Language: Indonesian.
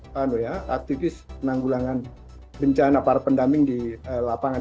pengelola para aktivis menanggulangan bencana para pendamping di lapangan